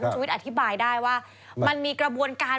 ชุวิตอธิบายได้ว่ามันมีกระบวนการ